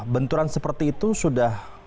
benturan seperti itu sudah